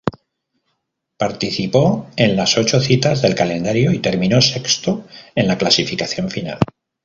Participó en las ocho citas del calendario y terminó sexto en la clasificación final.